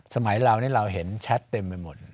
สมัยเรานี่เราเห็นแชทเต็มไปหมด